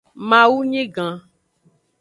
Mawu nyi gan.